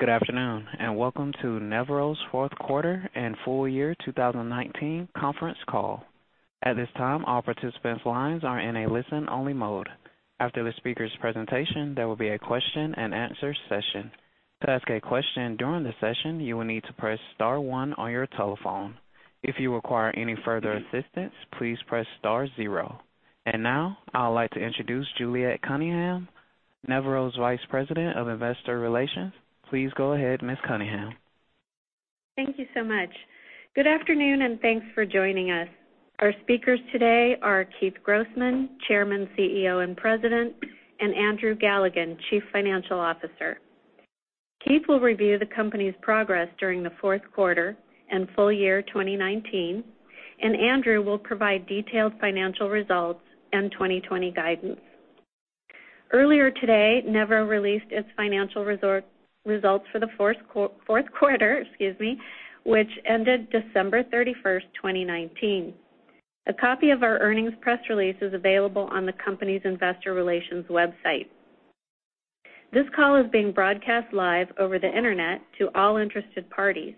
Good afternoon, and welcome to Nevro's fourth quarter and full year 2019 conference call. At this time, all participants' lines are in a listen-only mode. After the speaker's presentation, there will be a question and answer session. To ask a question during the session, you will need to press star one on your telephone. If you require any further assistance, please press star zero. Now, I would like to introduce Juliet Cunningham, Nevro's Vice President of Investor Relations. Please go ahead, Ms. Cunningham. Thank you so much. Good afternoon, and thanks for joining us. Our speakers today are Keith Grossman, Chairman, CEO, and President, and Andrew Galligan, Chief Financial Officer. Keith will review the company's progress during the fourth quarter and full year 2019, and Andrew will provide detailed financial results and 2020 guidance. Earlier today, Nevro released its financial results for the fourth quarter, excuse me, which ended December 31st, 2019. A copy of our earnings press release is available on the company's investor relations website. This call is being broadcast live over the internet to all interested parties,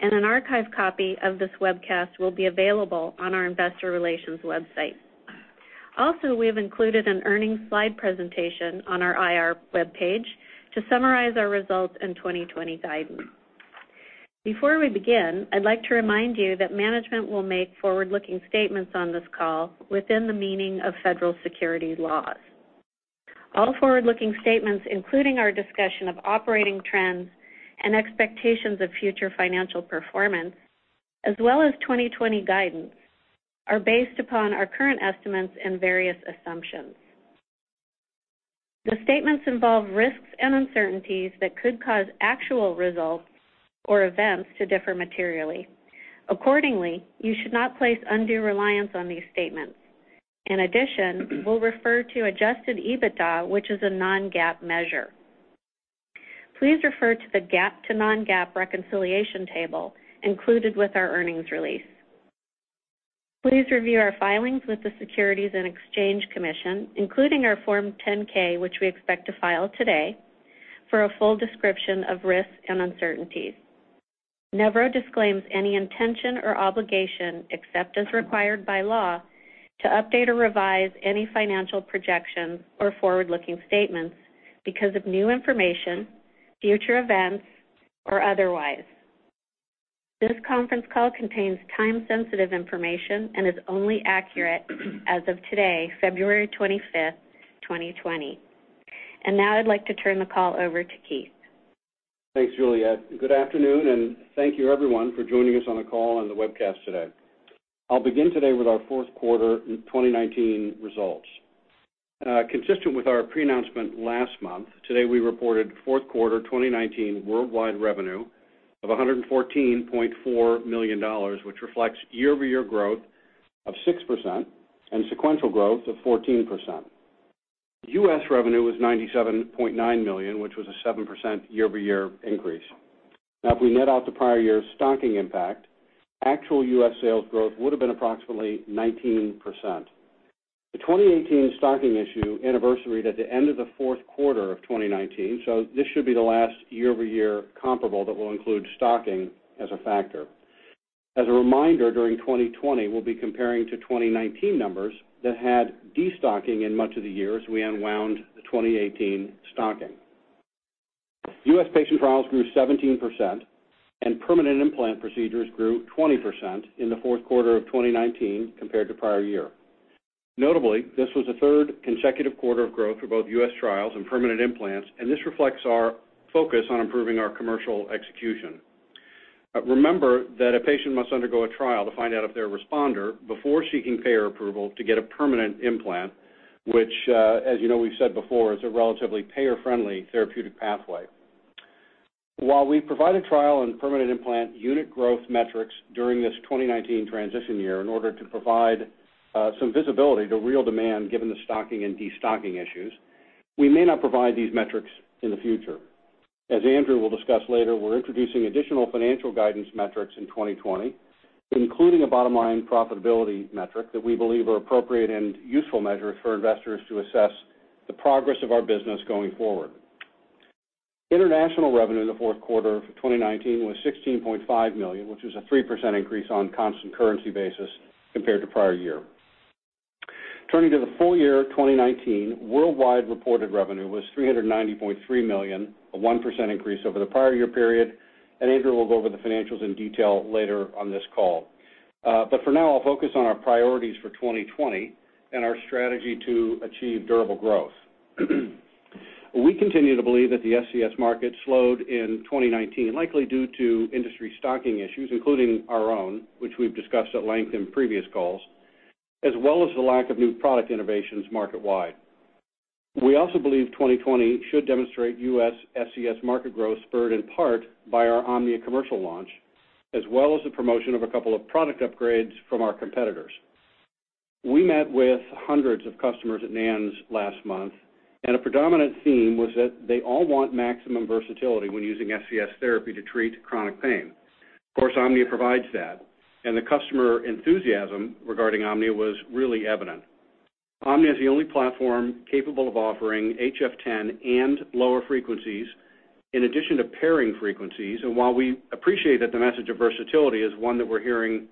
and an archive copy of this webcast will be available on our investor relations website. We have included an earnings slide presentation on our IR webpage to summarize our results in 2020 guidance. Before we begin, I'd like to remind you that management will make forward-looking statements on this call within the meaning of Federal Securities laws. All forward-looking statements, including our discussion of operating trends and expectations of future financial performance, as well as 2020 guidance, are based upon our current estimates and various assumptions. The statements involve risks and uncertainties that could cause actual results or events to differ materially. Accordingly, you should not place undue reliance on these statements. In addition, we'll refer to adjusted EBITDA, which is a non-GAAP measure. Please refer to the GAAP to non-GAAP reconciliation table included with our earnings release. Please review our filings with the Securities and Exchange Commission, including our Form 10-K, which we expect to file today, for a full description of risks and uncertainties. Nevro disclaims any intention or obligation, except as required by law, to update or revise any financial projections or forward-looking statements because of new information, future events, or otherwise. This conference call contains time-sensitive information and is only accurate as of today, February 25th, 2020. Now I'd like to turn the call over to Keith. Thanks, Juliet. Good afternoon. Thank you everyone for joining us on the call and the webcast today. I'll begin today with our fourth quarter 2019 results. Consistent with our pre-announcement last month, today we reported fourth quarter 2019 worldwide revenue of $114.4 million, which reflects year-over-year growth of 6% and sequential growth of 14%. U.S. revenue was $97.9 million, which was a 7% year-over-year increase. Now, if we net out the prior year's stocking impact, actual U.S. sales growth would have been approximately 19%. The 2018 stocking issue anniversaried at the end of the fourth quarter of 2019, so this should be the last year-over-year comparable that will include stocking as a factor. As a reminder, during 2020, we'll be comparing to 2019 numbers that had de-stocking in much of the year as we unwound the 2018 stocking. U.S. patient trials grew 17%, and permanent implant procedures grew 20% in the fourth quarter of 2019 compared to prior year. Notably, this was the third consecutive quarter of growth for both U.S. trials and permanent implants, and this reflects our focus on improving our commercial execution. Remember that a patient must undergo a trial to find out if they're a responder before seeking payer approval to get a permanent implant, which, as you know we've said before, is a relatively payer-friendly therapeutic pathway. While we provided trial and permanent implant unit growth metrics during this 2019 transition year in order to provide some visibility to real demand, given the stocking and de-stocking issues, we may not provide these metrics in the future. As Andrew will discuss later, we're introducing additional financial guidance metrics in 2020, including a bottom-line profitability metric that we believe are appropriate and useful measures for investors to assess the progress of our business going forward. International revenue in the fourth quarter of 2019 was $16.5 million, which was a 3% increase on a constant currency basis compared to prior year. Turning to the full year 2019, worldwide reported revenue was $390.3 million, a 1% increase over the prior year period. Andrew will go over the financials in detail later on this call. For now, I'll focus on our priorities for 2020 and our strategy to achieve durable growth. We continue to believe that the SCS market slowed in 2019, likely due to industry stocking issues, including our own, which we've discussed at length in previous calls, as well as the lack of new product innovations market-wide. We also believe 2020 should demonstrate U.S. SCS market growth spurred in part by our Omnia commercial launch, as well as the promotion of a couple of product upgrades from our competitors. We met with hundreds of customers at NANS last month, a predominant theme was that they all want maximum versatility when using SCS therapy to treat chronic pain. Of course, Omnia provides that, the customer enthusiasm regarding Omnia was really evident. Omnia is the only platform capable of offering HF10 and lower frequencies in addition to pairing frequencies. While we appreciate that the message of versatility is one that we're hearing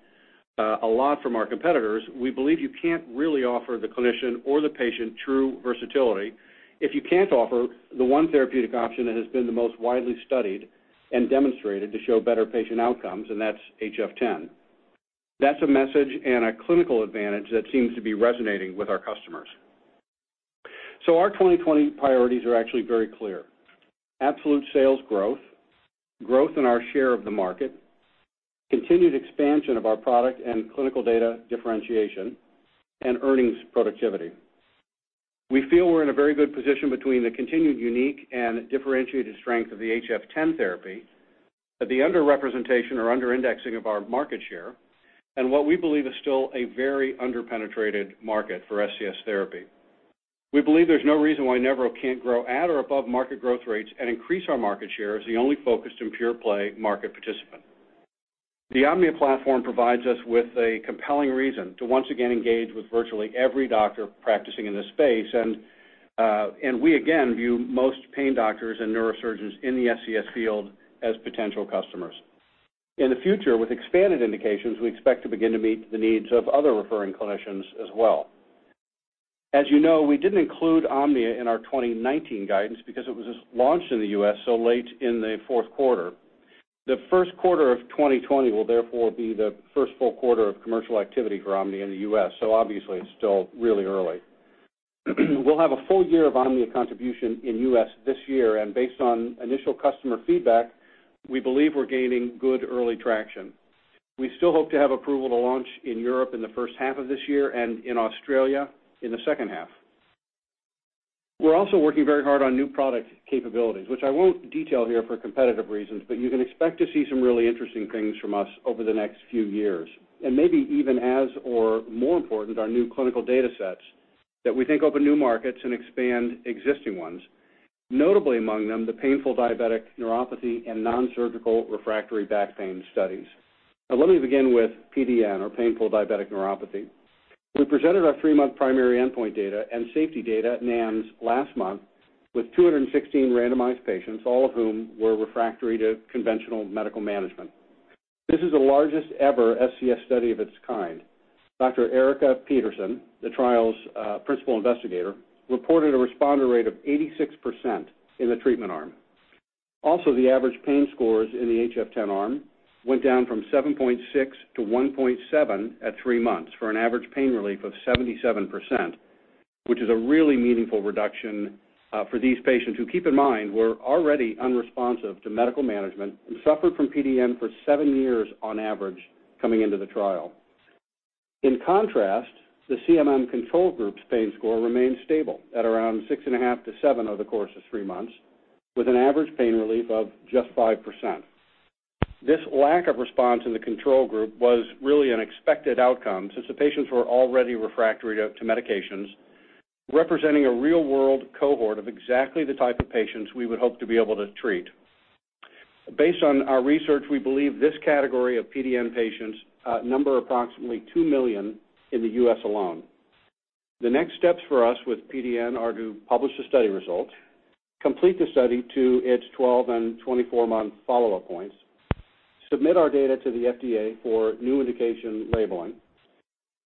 a lot from our competitors, we believe you can't really offer the clinician or the patient true versatility if you can't offer the one therapeutic option that has been the most widely studied and demonstrated to show better patient outcomes, and that's HF10. That's a message and a clinical advantage that seems to be resonating with our customers. Our 2020 priorities are actually very clear. Absolute sales growth in our share of the market, continued expansion of our product and clinical data differentiation, and earnings productivity. We feel we're in a very good position between the continued unique and differentiated strength of the HF10 therapy, that the under-representation or under-indexing of our market share and what we believe is still a very under-penetrated market for SCS therapy. We believe there's no reason why Nevro can't grow at or above market growth rates and increase our market share as the only focused and pure-play market participant. The Omnia platform provides us with a compelling reason to once again engage with virtually every doctor practicing in this space. We again view most pain doctors and neurosurgeons in the SCS field as potential customers. In the future, with expanded indications, we expect to begin to meet the needs of other referring clinicians as well. As you know, we didn't include Omnia in our 2019 guidance because it was just launched in the U.S. so late in the fourth quarter. The first quarter of 2020 will therefore be the first full quarter of commercial activity for Omnia in the U.S. Obviously it's still really early. We'll have a full year of Omnia contribution in U.S. this year, and based on initial customer feedback, we believe we're gaining good early traction. We still hope to have approval to launch in Europe in the first half of this year and in Australia in the second half. We're also working very hard on new product capabilities, which I won't detail here for competitive reasons, but you can expect to see some really interesting things from us over the next few years. Maybe even as or more important are new clinical data sets that we think open new markets and expand existing ones, notably among them, the painful diabetic neuropathy and nonsurgical refractory back pain studies. Let me begin with PDN, or painful diabetic neuropathy. We presented our three-month primary endpoint data and safety data at NANS last month with 216 randomized patients, all of whom were refractory to conventional medical management. This is the largest ever SCS study of its kind. Dr. Erika Petersen, the trial's principal investigator, reported a responder rate of 86% in the treatment arm. Also, the average pain scores in the HF10 arm went down from 7.6-1.7 at three months for an average pain relief of 77%, which is a really meaningful reduction for these patients who, keep in mind, were already unresponsive to medical management and suffered from PDN for seven years on average coming into the trial. In contrast, the CMM control group's pain score remained stable at around 6.5 to seven over the course of three months, with an average pain relief of just 5%. This lack of response in the control group was really an expected outcome since the patients were already refractory to medications, representing a real-world cohort of exactly the type of patients we would hope to be able to treat. Based on our research, we believe this category of PDN patients number approximately 2 million in the U.S. alone. The next steps for us with PDN are to publish the study results, complete the study to its 12 and 24-month follow-up points, submit our data to the FDA for new indication labeling,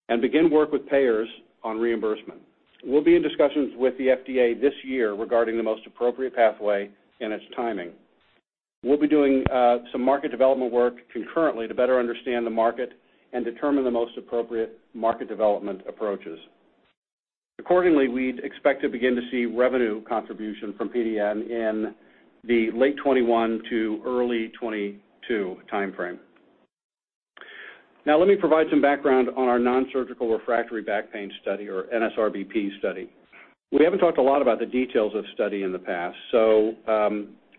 and begin work with payers on reimbursement. We'll be in discussions with the FDA this year regarding the most appropriate pathway and its timing. We'll be doing some market development work concurrently to better understand the market and determine the most appropriate market development approaches. We'd expect to begin to see revenue contribution from PDN in the late 2021 to early 2022 timeframe. Let me provide some background on our nonsurgical refractory back pain study or NSRBP study. We haven't talked a lot about the details of study in the past,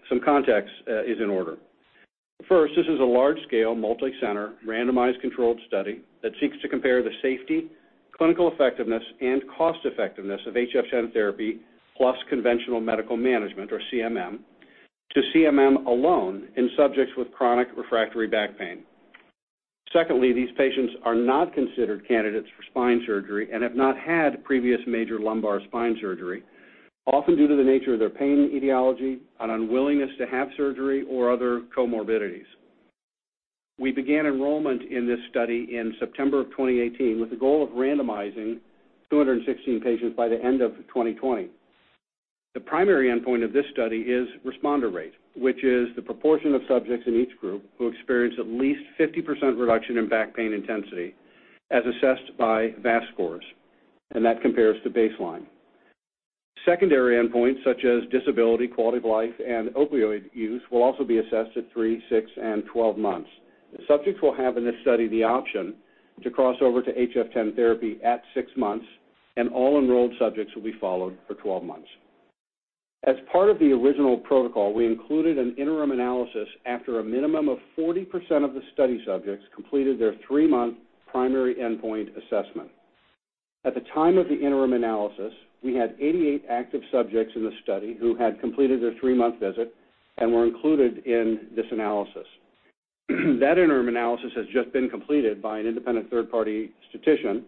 some context is in order. First, this is a large-scale, multicenter, randomized controlled study that seeks to compare the safety, clinical effectiveness, and cost-effectiveness of HF10 therapy plus conventional medical management, or CMM, to CMM alone in subjects with chronic refractory back pain. Secondly, these patients are not considered candidates for spine surgery and have not had previous major lumbar spine surgery, often due to the nature of their pain etiology, an unwillingness to have surgery, or other comorbidities. We began enrollment in this study in September of 2018 with the goal of randomizing 216 patients by the end of 2020. The primary endpoint of this study is responder rate, which is the proportion of subjects in each group who experience at least 50% reduction in back pain intensity as assessed by VAS scores, and that compares to baseline. Secondary endpoints such as disability, quality of life, and opioid use will also be assessed at three, six, and 12 months. Subjects will have in this study the option to cross over to HF10 therapy at six months, and all enrolled subjects will be followed for 12 months. As part of the original protocol, we included an interim analysis after a minimum of 40% of the study subjects completed their three-month primary endpoint assessment. At the time of the interim analysis, we had 88 active subjects in the study who had completed their three-month visit and were included in this analysis. That interim analysis has just been completed by an independent third-party statistician,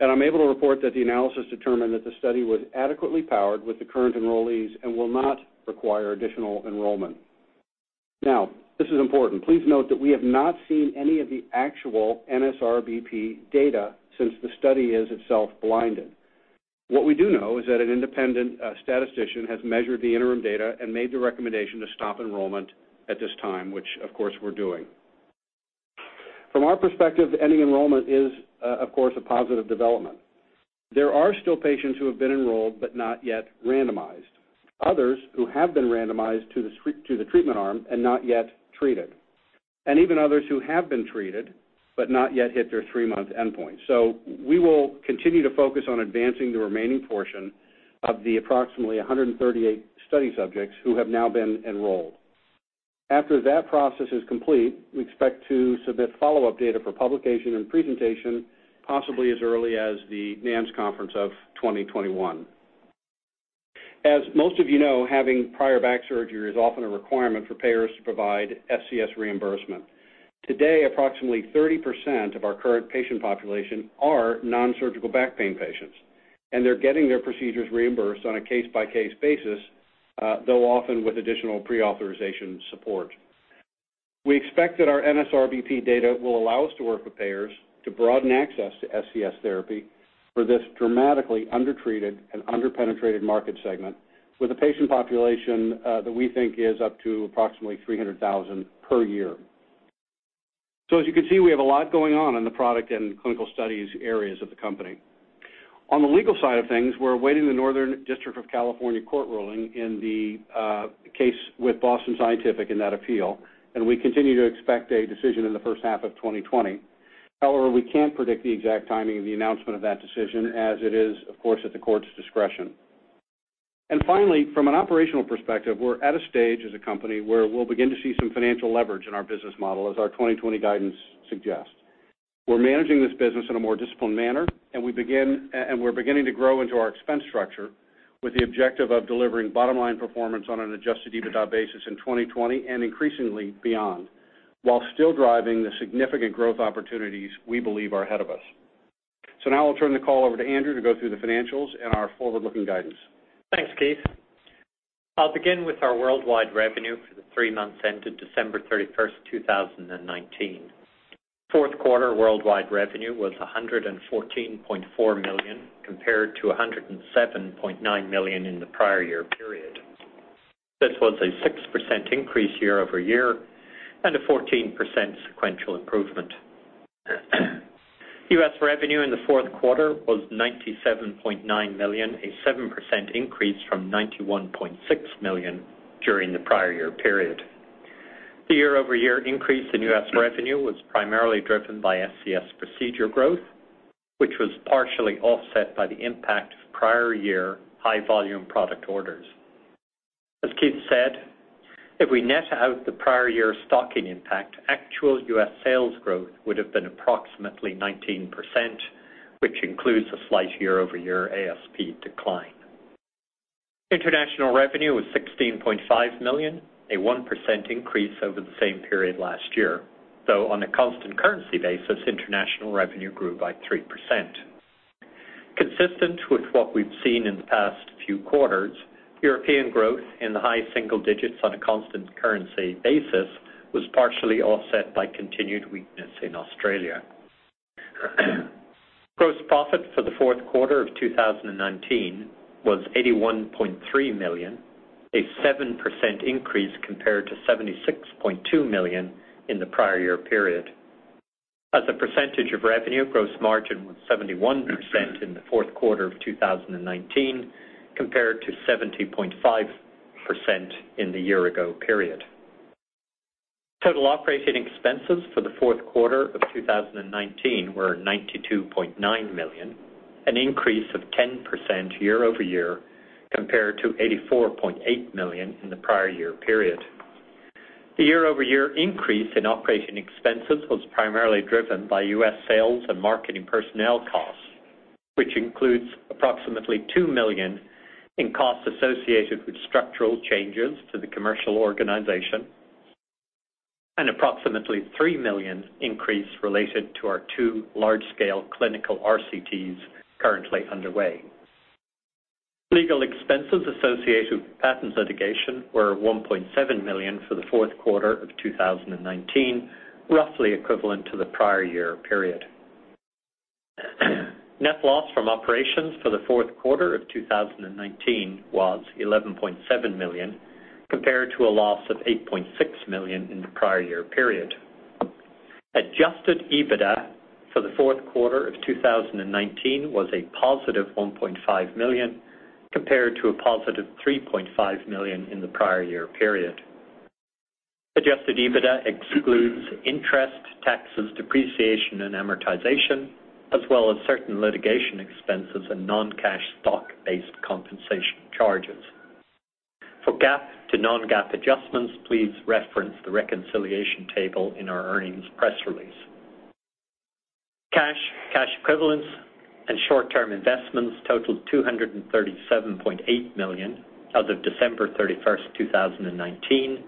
and I'm able to report that the analysis determined that the study was adequately powered with the current enrollees and will not require additional enrollment. Now, this is important. Please note that we have not seen any of the actual NSRBP data, since the study is itself blinded. What we do know is that an independent statistician has measured the interim data and made the recommendation to stop enrollment at this time, which, of course, we're doing. From our perspective, ending enrollment is, of course, a positive development. There are still patients who have been enrolled but not yet randomized. Others who have been randomized to the treatment arm and not yet treated. Even others who have been treated, but not yet hit their three-month endpoint. We will continue to focus on advancing the remaining portion of the approximately 138 study subjects who have now been enrolled. After that process is complete, we expect to submit follow-up data for publication and presentation, possibly as early as the NANS conference of 2021. As most of you know, having prior back surgery is often a requirement for payers to provide SCS reimbursement. Today, approximately 30% of our current patient population are nonsurgical back pain patients, and they're getting their procedures reimbursed on a case-by-case basis, though often with additional pre-authorization support. We expect that our NSRBP data will allow us to work with payers to broaden access to SCS therapy for this dramatically undertreated and under-penetrated market segment with a patient population that we think is up to approximately 300,000 per year. As you can see, we have a lot going on in the product and clinical studies areas of the company. On the legal side of things, we're awaiting the Northern District of California court ruling in the case with Boston Scientific in that appeal, and we continue to expect a decision in the first half of 2020. However, we can't predict the exact timing of the announcement of that decision as it is, of course, at the court's discretion. Finally, from an operational perspective, we're at a stage as a company where we'll begin to see some financial leverage in our business model as our 2020 guidance suggests. We're managing this business in a more disciplined manner, and we're beginning to grow into our expense structure with the objective of delivering bottom-line performance on an adjusted EBITDA basis in 2020 and increasingly beyond, while still driving the significant growth opportunities we believe are ahead of us. Now I'll turn the call over to Andrew to go through the financials and our forward-looking guidance. Thanks, Keith. I'll begin with our worldwide revenue for the three months ended December 31st, 2019. Fourth quarter worldwide revenue was $114.4 million, compared to $107.9 million in the prior year period. This was a 6% increase year-over-year and a 14% sequential improvement. U.S. revenue in the fourth quarter was $97.9 million, a 7% increase from $91.6 million during the prior year period. The year-over-year increase in U.S. revenue was primarily driven by SCS procedure growth, which was partially offset by the impact of prior year high-volume product orders. As Keith said, if we net out the prior year stocking impact, actual U.S. sales growth would've been approximately 19%, which includes a slight year-over-year ASP decline. International revenue was $16.5 million, a 1% increase over the same period last year. Though on a constant currency basis, international revenue grew by 3%. Consistent with what we've seen in the past few quarters, European growth in the high single digits on a constant currency basis was partially offset by continued weakness in Australia. Gross profit for the fourth quarter of 2019 was $81.3 million, a 7% increase compared to $76.2 million in the prior year period. As a percentage of revenue, gross margin was 71% in the fourth quarter of 2019, compared to 70.5% in the year ago period. Total operating expenses for the fourth quarter of 2019 were $92.9 million, an increase of 10% year-over-year, compared to $84.8 million in the prior year period. The year-over-year increase in operating expenses was primarily driven by U.S. sales and marketing personnel costs, which includes approximately $2 million in costs associated with structural changes to the commercial organization and approximately $3 million increase related to our two large-scale clinical RCTs currently underway. Legal expenses associated with patent litigation were $1.7 million for the fourth quarter of 2019, roughly equivalent to the prior year period. Net loss from operations for the fourth quarter of 2019 was $11.7 million, compared to a loss of $8.6 million in the prior year period. Adjusted EBITDA for the fourth quarter of 2019 was a +$1.5 million compared to a +$3.5 million in the prior year period. Adjusted EBITDA excludes interest, taxes, depreciation, and amortization, as well as certain litigation expenses and non-cash stock-based compensation charges. For GAAP to non-GAAP adjustments, please reference the reconciliation table in our earnings press release. Tax cash equivalence, short term investments totaled $237.8 million as of December 31st, 2019.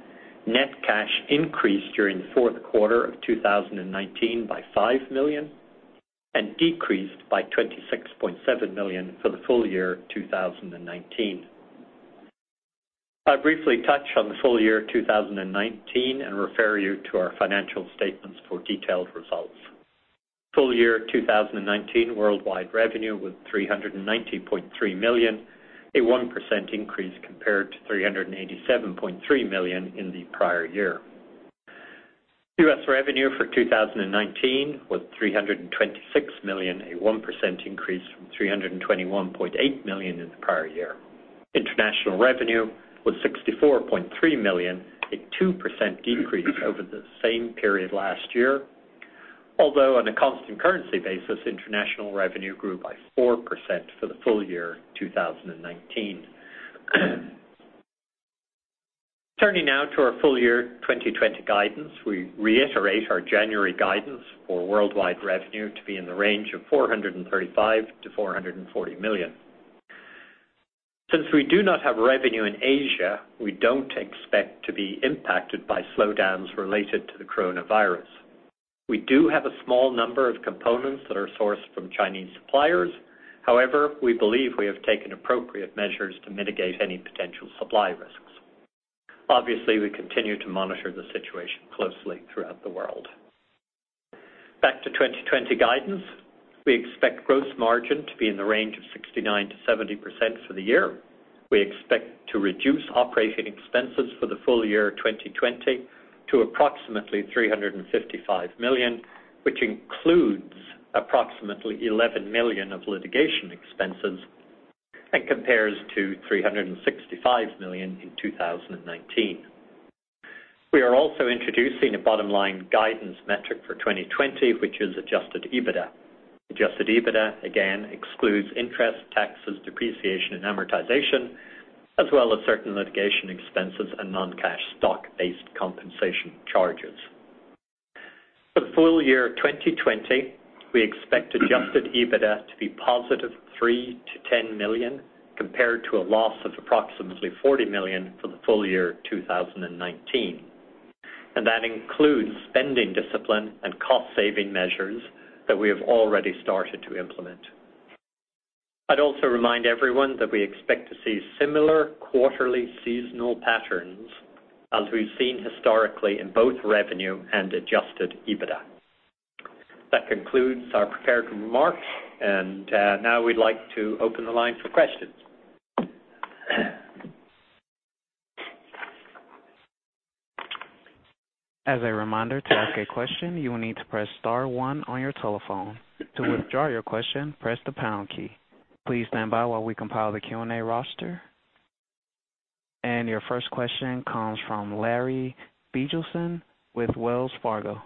Net cash increased during the fourth quarter of 2019 by $5 million and decreased by $26.7 million for the full year 2019. I'll briefly touch on the full year 2019 and refer you to our financial statements for detailed results. Full year 2019 worldwide revenue was $390.3 million, a 1% increase compared to $387.3 million in the prior year. U.S. revenue for 2019 was $326 million, a 1% increase from $321.8 million in the prior year. International revenue was $64.3 million, a 2% decrease over the same period last year, although on a constant currency basis, international revenue grew by 4% for the full year 2019. Turning now to our full year 2020 guidance, we reiterate our January guidance for worldwide revenue to be in the range of $435 million-$440 million. We do not have revenue in Asia, we don't expect to be impacted by slowdowns related to the coronavirus. We do have a small number of components that are sourced from Chinese suppliers. We believe we have taken appropriate measures to mitigate any potential supply risks. We continue to monitor the situation closely throughout the world. Back to 2020 guidance. We expect gross margin to be in the range of 69%-70% for the year. We expect to reduce operating expenses for the full year 2020 to approximately $355 million, which includes approximately $11 million of litigation expenses and compares to $365 million in 2019. We are also introducing a bottom-line guidance metric for 2020, which is adjusted EBITDA. Adjusted EBITDA, again, excludes interest, taxes, depreciation, and amortization, as well as certain litigation expenses and non-cash stock-based compensation charges. For the full year 2020, we expect adjusted EBITDA to be +$3 million-$10 million, compared to a loss of approximately $40 million for the full year 2019. That includes spending discipline and cost-saving measures that we have already started to implement. I'd also remind everyone that we expect to see similar quarterly seasonal patterns as we've seen historically in both revenue and adjusted EBITDA. That concludes our prepared remarks, and now we'd like to open the line for questions. As a reminder, to ask a question, you will need to press star one on your telephone. To withdraw your question, press the pound key. Please stand by while we compile the Q&A roster. Your first question comes from Larry Biegelsen with Wells Fargo.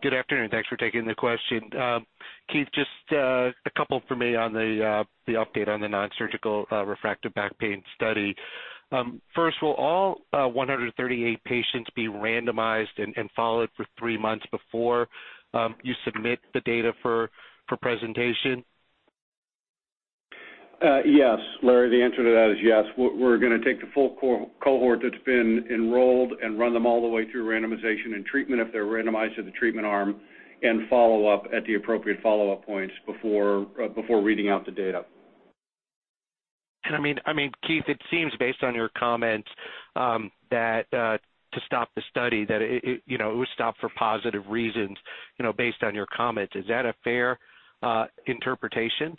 Good afternoon. Thanks for taking the question. Keith, just a couple from me on the update on the nonsurgical refractory back pain study. First, will all 138 patients be randomized and followed for three months before you submit the data for presentation? Yes. Larry, the answer to that is yes. We're going to take the full cohort that's been enrolled and run them all the way through randomization and treatment if they're randomized to the treatment arm and follow up at the appropriate follow-up points before reading out the data. Keith, it seems based on your comments that to stop the study, that it was stopped for positive reasons based on your comments. Is that a fair interpretation?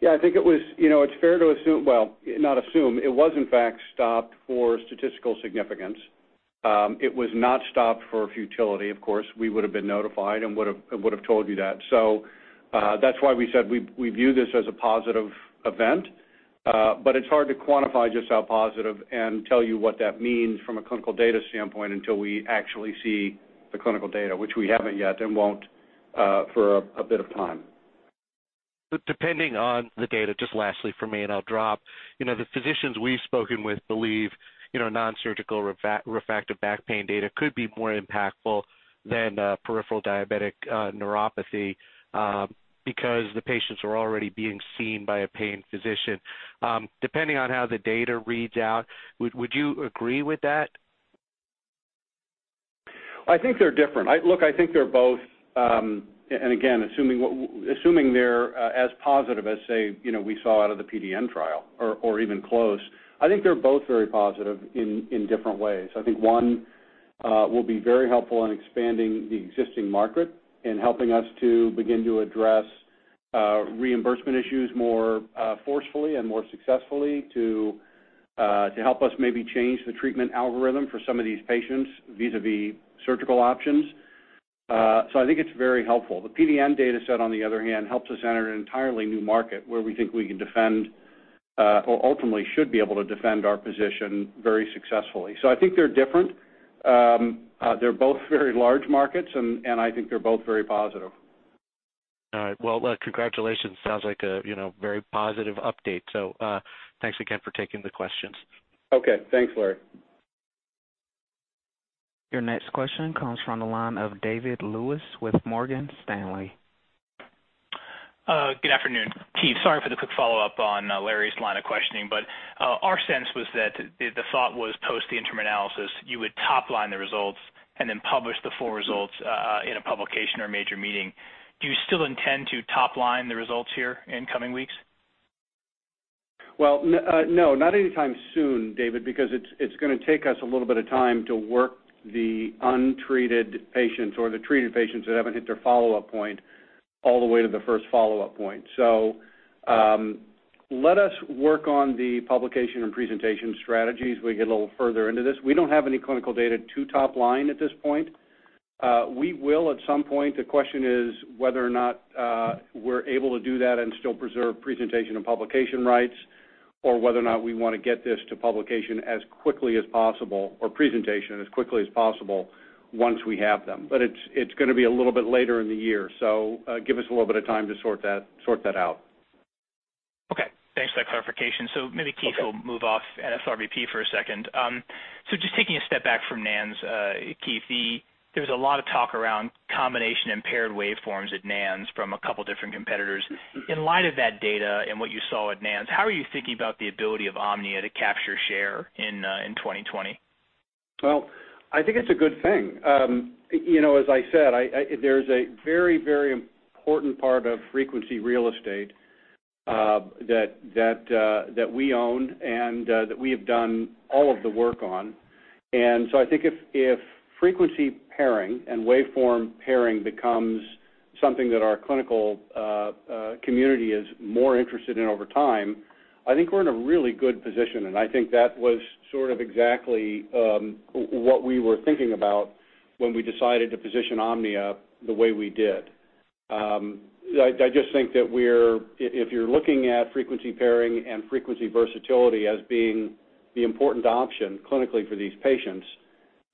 Yeah, I think it's fair to assume. Well, not assume. It was in fact stopped for statistical significance. It was not stopped for futility, of course. We would've been notified and would've told you that. That's why we said we view this as a positive event. It's hard to quantify just how positive and tell you what that means from a clinical data standpoint until we actually see the clinical data, which we haven't yet and won't for a bit of time. Depending on the data, just lastly from me, and I'll drop. The physicians we've spoken with believe nonsurgical refractory back pain data could be more impactful than painful diabetic neuropathy because the patients are already being seen by a pain physician. Depending on how the data reads out, would you agree with that? I think they're different. Look, I think they're both, and again, assuming they're as positive as, say, we saw out of the PDN trial or even close, I think they're both very positive in different ways. I think one will be very helpful in expanding the existing market and helping us to begin to address reimbursement issues more forcefully and more successfully to help us maybe change the treatment algorithm for some of these patients vis-a-vis surgical options. I think it's very helpful. The PDN data set, on the other hand, helps us enter an entirely new market where we think we can defend or ultimately should be able to defend our position very successfully. I think they're different. They're both very large markets, and I think they're both very positive. All right. Well, congratulations. Sounds like a very positive update. Thanks again for taking the questions. Okay. Thanks, Larry. Your next question comes from the line of David Lewis with Morgan Stanley. Good afternoon, Keith. Sorry for the quick follow-up on Larry's line of questioning, our sense was that the thought was post the interim analysis, you would top-line the results and then publish the full results in a publication or major meeting. Do you still intend to top-line the results here in coming weeks? Well, no. Not anytime soon, David, because it's going to take us a little bit of time to work the untreated patients or the treated patients that haven't hit their follow-up point all the way to the first follow-up point. Let us work on the publication and presentation strategies as we get a little further into this. We don't have any clinical data to top-line at this point. We will at some point. The question is whether or not we're able to do that and still preserve presentation and publication rights or whether or not we want to get this to publication as quickly as possible, or presentation as quickly as possible once we have them. It's going to be a little bit later in the year. Give us a little bit of time to sort that out. Okay. Thanks for that clarification. maybe Keith- Okay. We'll move off NSRBP for a second. Just taking a step back from NANS, Keith, there's a lot of talk around combination and paired waveforms at NANS from a couple of different competitors. In light of that data and what you saw at NANS, how are you thinking about the ability of Omnia to capture share in 2020? Well, I think it's a good thing. As I said, there's a very important part of frequency real estate that we own and that we have done all of the work on. I think if frequency pairing and waveform pairing becomes something that our clinical community is more interested in over time, I think we're in a really good position, and I think that was sort of exactly what we were thinking about when we decided to position Omnia the way we did. I just think that if you're looking at frequency pairing and frequency versatility as being the important option clinically for these patients,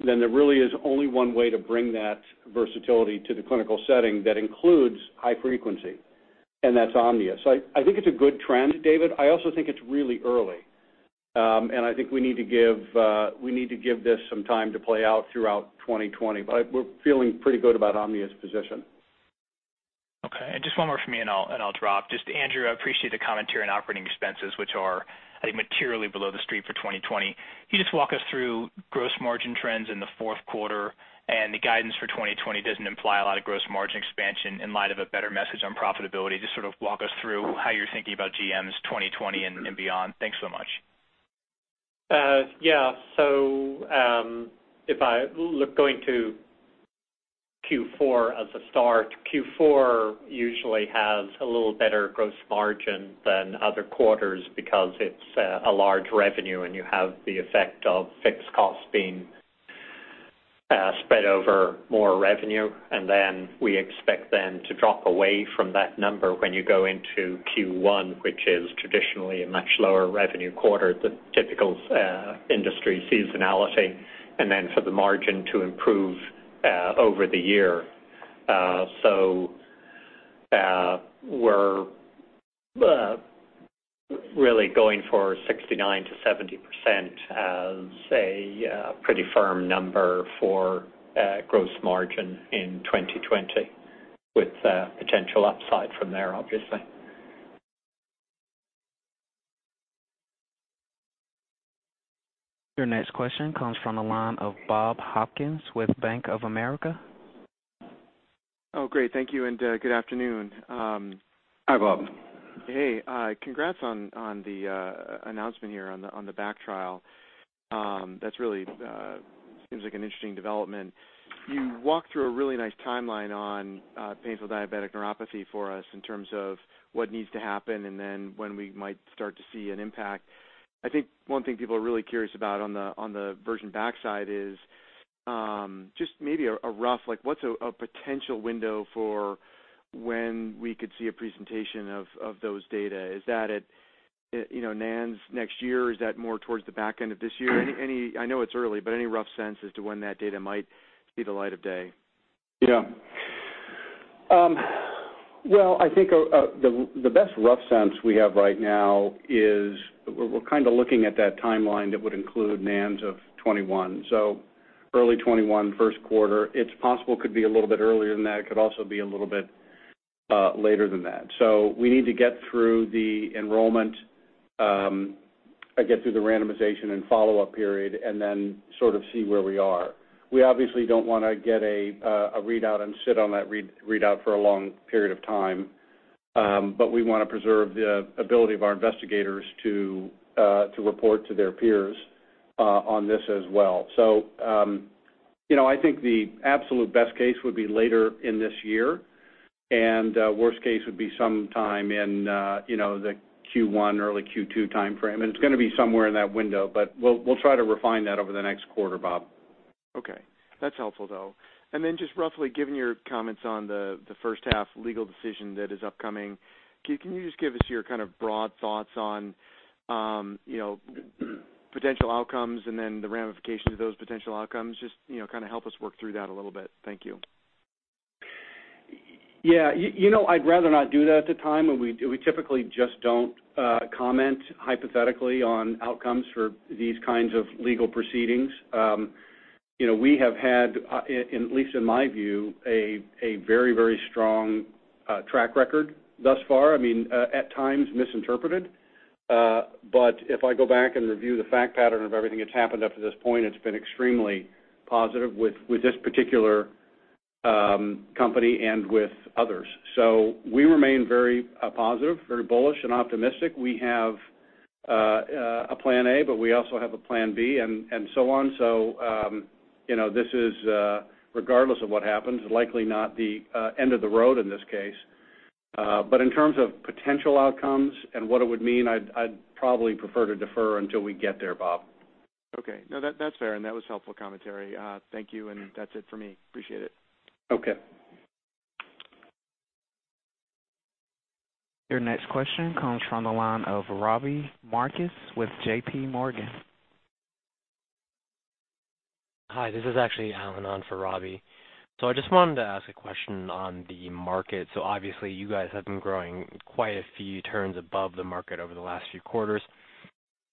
then there really is only one way to bring that versatility to the clinical setting that includes high frequency, and that's Omnia. I think it's a good trend, David. I also think it's really early, and I think we need to give this some time to play out throughout 2020. We're feeling pretty good about Omnia's position. Okay. Just one more from me, and I'll drop. Just Andrew, I appreciate the commentary on operating expenses, which are, I think, materially below the street for 2020. Can you just walk us through gross margin trends in the fourth quarter? The guidance for 2020 doesn't imply a lot of gross margin expansion in light of a better message on profitability. Just sort of walk us through how you're thinking about GMs 2020 and beyond. Thanks so much. Yeah. If I look going to Q4 as a start, Q4 usually has a little better gross margin than other quarters because it's a large revenue, and you have the effect of fixed costs being spread over more revenue. We expect then to drop away from that number when you go into Q1, which is traditionally a much lower revenue quarter, the typical industry seasonality, and then for the margin to improve over the year. We're really going for 69%-70% as a pretty firm number for gross margin in 2020 with potential upside from there, obviously. Your next question comes from the line of Bob Hopkins with Bank of America. Oh, great. Thank you, and good afternoon. Hi, Bob. Hey. Congrats on the announcement here on the back trial. That really seems like an interesting development. You walked through a really nice timeline on painful diabetic neuropathy for us in terms of what needs to happen and then when we might start to see an impact. I think one thing people are really curious about on the virgin back side is just maybe a rough, what's a potential window for when we could see a presentation of those data? Is that at NANS next year, or is that more towards the back end of this year? I know it's early, any rough sense as to when that data might see the light of day? Well, I think the best rough sense we have right now is we're kind of looking at that timeline that would include NANS of 2021. Early 2021, first quarter. It's possible it could be a little bit earlier than that. It could also be a little bit later than that. We need to get through the enrollment, get through the randomization and follow-up period, and then sort of see where we are. We obviously don't want to get a readout and sit on that readout for a long period of time, we want to preserve the ability of our investigators to report to their peers on this as well. I think the absolute best case would be later in this year, worst case would be sometime in the Q1, early Q2 timeframe, it's going to be somewhere in that window. We'll try to refine that over the next quarter, Bob. Okay. That's helpful, though. Just roughly, given your comments on the first half legal decision that is upcoming, can you just give us your kind of broad thoughts on potential outcomes and then the ramifications of those potential outcomes? Just kind of help us work through that a little bit. Thank you. Yeah. I'd rather not do that at the time. We typically just don't comment hypothetically on outcomes for these kinds of legal proceedings. We have had, at least in my view, a very strong track record thus far. At times misinterpreted, but if I go back and review the fact pattern of everything that's happened up to this point, it's been extremely positive with this particular company and with others. We remain very positive, very bullish and optimistic. We have a plan A, but we also have a plan B and so on. This is, regardless of what happens, likely not the end of the road in this case. In terms of potential outcomes and what it would mean, I'd probably prefer to defer until we get there, Bob. Okay. No, that's fair. That was helpful commentary. Thank you. That's it for me. Appreciate it. Okay. Your next question comes from the line of Robbie Marcus with JPMorgan. Hi, this is actually Allen on for Robbie. I just wanted to ask a question on the market. Obviously you guys have been growing quite a few turns above the market over the last few quarters.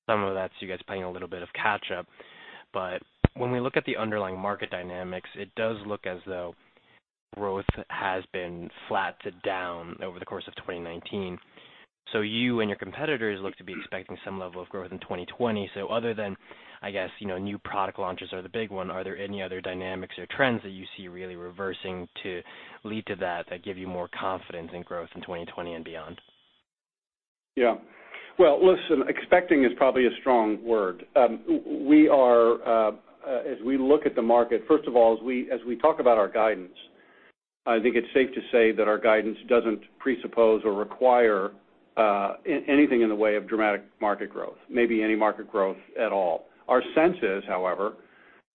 Some of that's you guys playing a little bit of catch-up. When we look at the underlying market dynamics, it does look as though growth has been flat to down over the course of 2019. You and your competitors look to be expecting some level of growth in 2020. Other than, I guess, new product launches are the big one, are there any other dynamics or trends that you see really reversing to lead to that give you more confidence in growth in 2020 and beyond? Yeah. Well, listen, expecting is probably a strong word. As we look at the market, first of all, as we talk about our guidance, I think it's safe to say that our guidance doesn't presuppose or require anything in the way of dramatic market growth, maybe any market growth at all. Our sense is, however,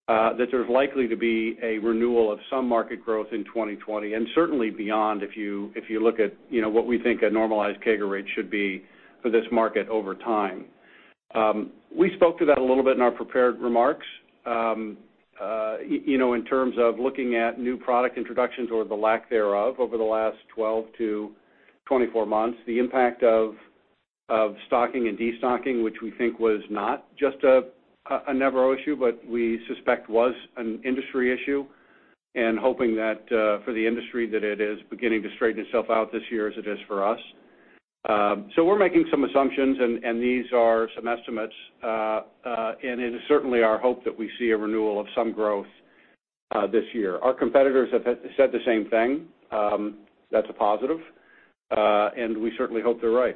that there's likely to be a renewal of some market growth in 2020, and certainly beyond, if you look at what we think a normalized CAGR rate should be for this market over time. We spoke to that a little bit in our prepared remarks. In terms of looking at new product introductions or the lack thereof over the last 12-24 months, the impact of stocking and de-stocking, which we think was not just a Nevro issue, but we suspect was an industry issue, hoping that for the industry, that it is beginning to straighten itself out this year as it is for us. We're making some assumptions, and these are some estimates. It is certainly our hope that we see a renewal of some growth this year. Our competitors have said the same thing. That's a positive. We certainly hope they're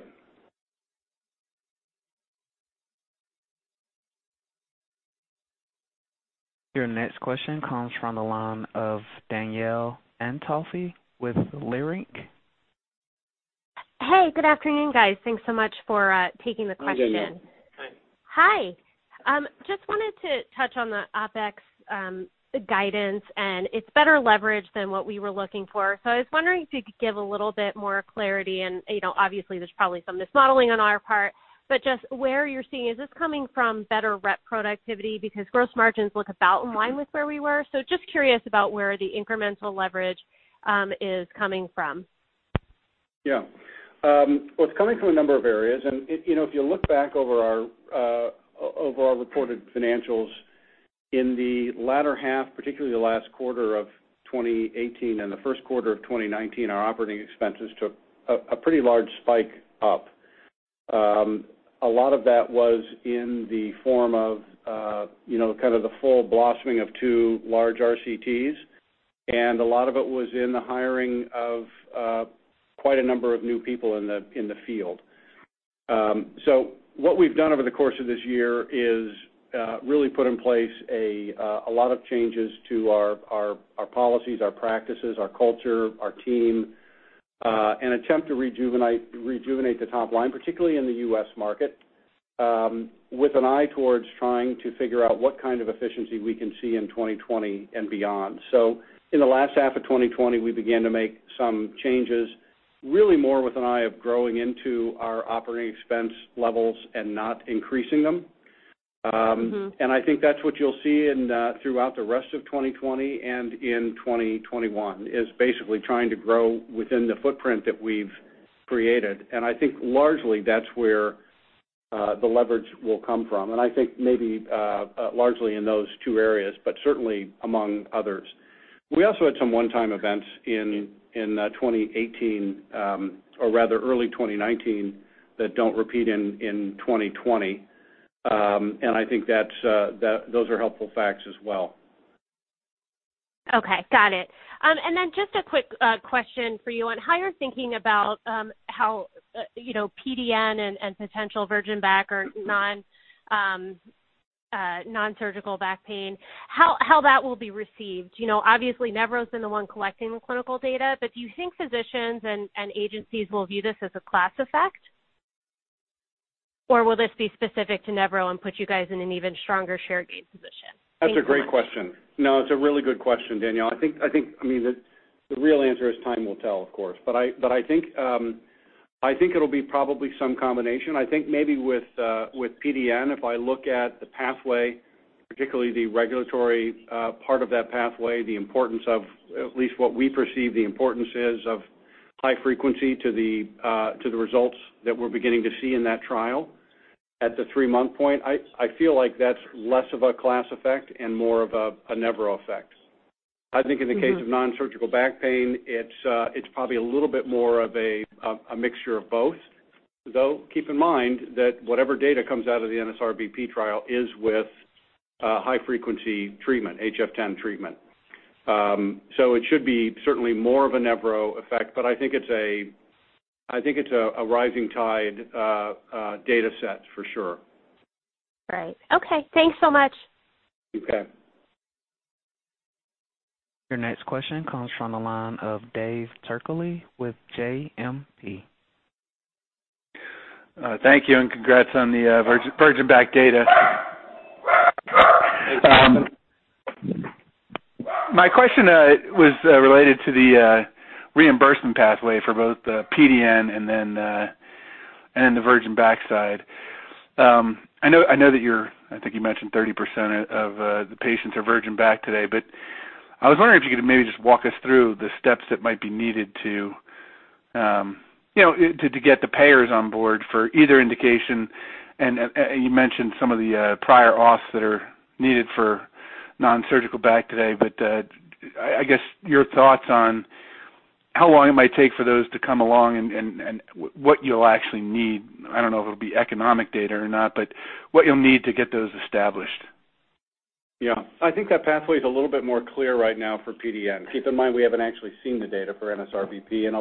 right. Your next question comes from the line of Danielle Antalffy with Leerink. Hey, good afternoon, guys. Thanks so much for taking the question. Hi, Danielle. Hi. Hi. Just wanted to touch on the OpEx guidance, and it's better leverage than what we were looking for. I was wondering if you could give a little bit more clarity, and obviously there's probably some mismodeling on our part, but just where you're seeing, is this coming from better rep productivity? Because gross margins look about in line with where we were. Just curious about where the incremental leverage is coming from. Yeah. Well, it's coming from a number of areas. If you look back over our reported financials in the latter half, particularly the last quarter of 2018 and the first quarter of 2019, our operating expenses took a pretty large spike up. A lot of that was in the form of kind of the full blossoming of two large RCTs. A lot of it was in the hiring of quite a number of new people in the field. What we've done over the course of this year is really put in place a lot of changes to our policies, our practices, our culture, our team, and attempt to rejuvenate the top line, particularly in the U.S. market, with an eye towards trying to figure out what kind of efficiency we can see in 2020 and beyond. In the last half of 2020, we began to make some changes, really more with an eye of growing into our operating expense levels and not increasing them. I think that's what you'll see throughout the rest of 2020 and in 2021, is basically trying to grow within the footprint that we've created. I think largely that's where the leverage will come from. I think maybe largely in those two areas, but certainly among others. We also had some one-time events in 2018, or rather early 2019, that don't repeat in 2020. I think those are helpful facts as well. Okay, got it. Just a quick question for you on how you're thinking about how PDN and potential virgin back or non-surgical back pain, how that will be received. Obviously Nevro's been the one collecting the clinical data, but do you think physicians and agencies will view this as a class effect? Will this be specific to Nevro and put you guys in an even stronger share gain position? Thanks so much. That's a great question. It's a really good question, Danielle. I think the real answer is time will tell, of course. I think it'll be probably some combination. I think maybe with PDN, if I look at the pathway, particularly the regulatory part of that pathway, the importance of at least what we perceive the importance is of high frequency to the results that we're beginning to see in that trial at the three-month point, I feel like that's less of a class effect and more of a Nevro effect. I think in the case of nonsurgical back pain, it's probably a little bit more of a mixture of both, though keep in mind that whatever data comes out of the NSRBP trial is with high-frequency treatment, HF10 treatment. It should be certainly more of a Nevro effect, but I think it's a rising tide data set for sure. Right. Okay. Thanks so much. Okay. Your next question comes from the line of Dave Turkaly with JMP. Thank you. Congrats on the virgin back data. My question was related to the reimbursement pathway for both the PDN and then the virgin back side. I know that I think you mentioned 30% of the patients are virgin back today, but I was wondering if you could maybe just walk us through the steps that might be needed to get the payers on board for either indication. You mentioned some of the prior auths that are needed for nonsurgical back today, but I guess your thoughts on how long it might take for those to come along and what you'll actually need, I don't know if it'll be economic data or not, but what you'll need to get those established. Yeah. I think that pathway is a little bit more clear right now for PDN. Keep in mind, we haven't actually seen the data for NSRBP.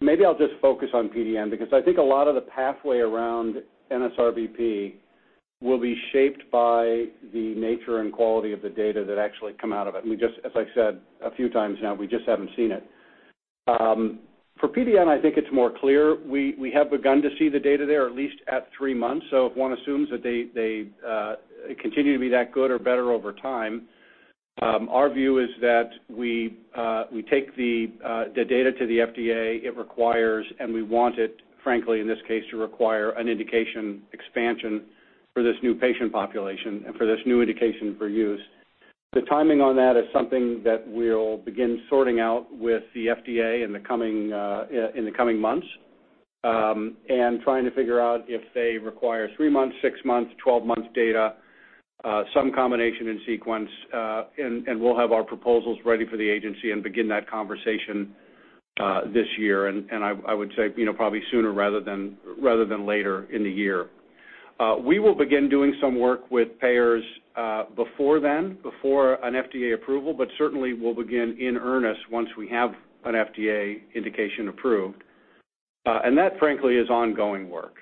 Maybe I'll just focus on PDN because I think a lot of the pathway around NSRBP will be shaped by the nature and quality of the data that actually come out of it, and as I said a few times now, we just haven't seen it. For PDN, I think it's more clear. We have begun to see the data there at least at three months. If one assumes that they continue to be that good or better over time, our view is that we take the data to the FDA it requires, and we want it, frankly, in this case, to require an indication expansion for this new patient population and for this new indication for use. The timing on that is something that we'll begin sorting out with the FDA in the coming months, trying to figure out if they require three months, six months, 12 months data, some combination in sequence, and we'll have our proposals ready for the agency and begin that conversation this year, and I would say probably sooner rather than later in the year. We will begin doing some work with payers before then, before an FDA approval, but certainly we'll begin in earnest once we have an FDA indication approved. That, frankly, is ongoing work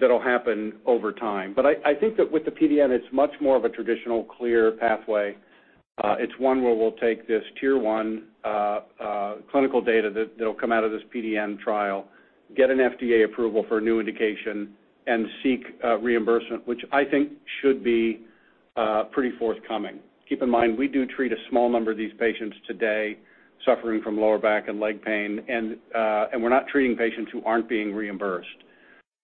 that'll happen over time. I think that with the PDN, it's much more of a traditional clear pathway. It's one where we'll take this Tier 1 clinical data that'll come out of this PDN trial, get an FDA approval for a new indication, and seek reimbursement, which I think should be pretty forthcoming. Keep in mind, we do treat a small number of these patients today suffering from lower back and leg pain, we're not treating patients who aren't being reimbursed.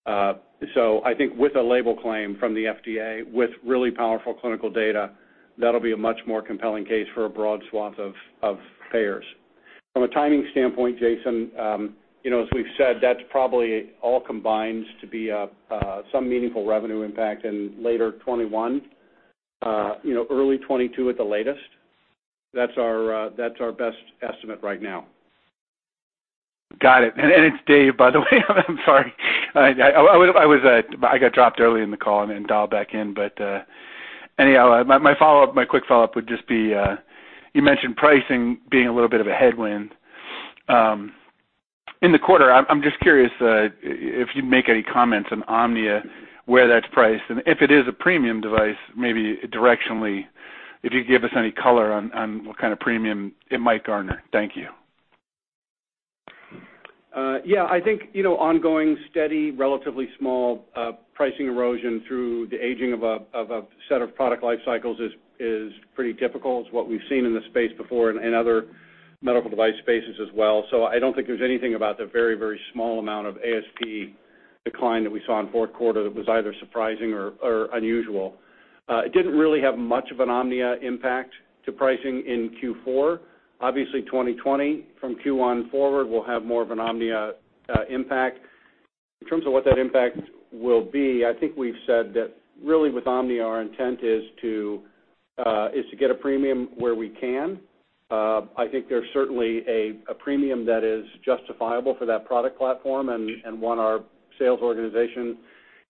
I think with a label claim from the FDA with really powerful clinical data, that'll be a much more compelling case for a broad swath of payers. From a timing standpoint, Jason, as we've said, that's probably all combines to be some meaningful revenue impact in later 2021, early 2022 at the latest. That's our best estimate right now. Got it. It's Dave, by the way. I'm sorry. I got dropped early in the call and then dialed back in. Anyhow, my quick follow-up would just be, you mentioned pricing being a little bit of a headwind. In the quarter, I'm just curious if you'd make any comments on Omnia, where that's priced, and if it is a premium device, maybe directionally, if you'd give us any color on what kind of premium it might garner. Thank you. Yeah. I think ongoing, steady, relatively small pricing erosion through the aging of a set of product life cycles is pretty typical. It's what we've seen in the space before and other medical device spaces as well. I don't think there's anything about the very, very small amount of ASP decline that we saw in fourth quarter that was either surprising or unusual. It didn't really have much of an Omnia impact to pricing in Q4. Obviously, 2020 from Q1 forward will have more of an Omnia impact. In terms of what that impact will be, I think we've said that really with Omnia, our intent is to get a premium where we can. I think there's certainly a premium that is justifiable for that product platform and one our sales organization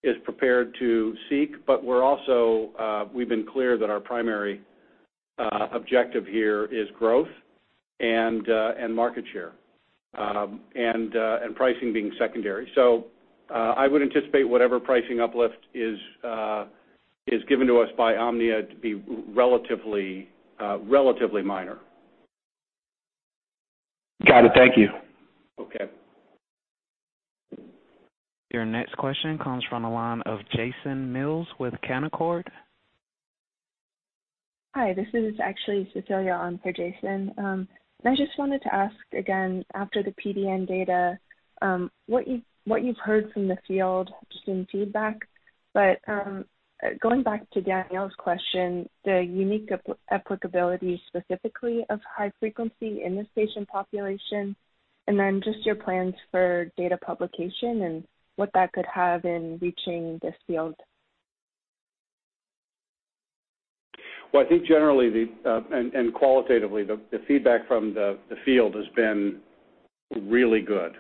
is prepared to seek. We've been clear that our primary objective here is growth and market share, and pricing being secondary. I would anticipate whatever pricing uplift is given to us by Omnia to be relatively minor. Got it. Thank you. Okay. Your next question comes from the line of Jason Mills with Canaccord. Hi, this is actually Cecilia on for Jason. I just wanted to ask again, after the PDN data, what you've heard from the field just in feedback, but going back to Danielle's question, the unique applicability specifically of high frequency in this patient population, and then just your plans for data publication and what that could have in reaching this field. Well, I think generally, and qualitatively, the feedback from the field has been really good.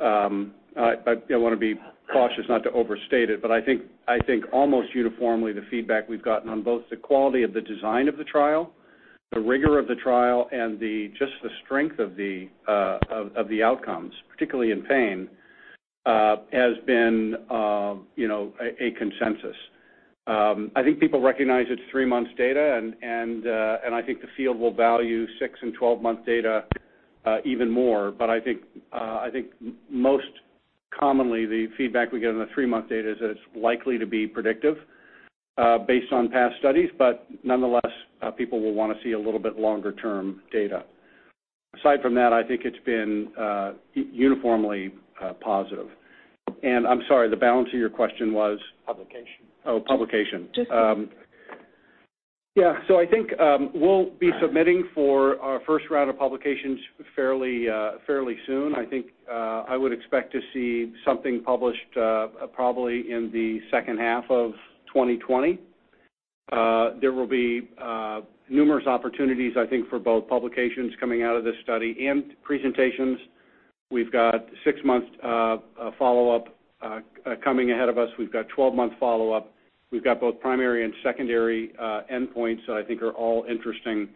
I want to be cautious not to overstate it, but I think almost uniformly the feedback we've gotten on both the quality of the design of the trial, the rigor of the trial, and just the strength of the outcomes, particularly in pain, has been a consensus. I think people recognize it's three months data, and I think the field will value six and 12-month data even more. I think most commonly, the feedback we get on the three-month data is that it's likely to be predictive based on past studies, but nonetheless, people will want to see a little bit longer-term data. Aside from that, I think it's been uniformly positive. I'm sorry, the balance of your question was. Publication. Oh, publication. Just- Yeah. I think we'll be submitting for our first round of publications fairly soon. I think I would expect to see something published probably in the second half of 2020. There will be numerous opportunities, I think, for both publications coming out of this study and presentations. We've got six months follow-up coming ahead of us. We've got 12 month follow-up. We've got both primary and secondary endpoints that I think are all interesting.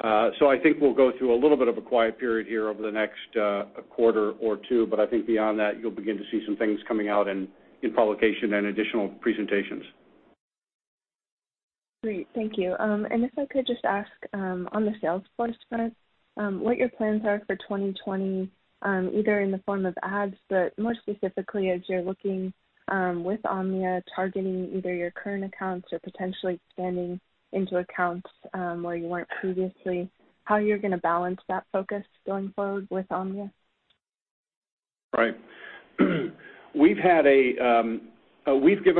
I think we'll go through a little bit of a quiet period here over the next quarter or two. I think beyond that, you'll begin to see some things coming out in publication and additional presentations. Great. Thank you. If I could just ask on the sales force front what your plans are for 2020, either in the form of ads, but more specifically as you're looking with Omnia targeting either your current accounts or potentially expanding into accounts where you weren't previously, how you're going to balance that focus going forward with Omnia? Right. We've given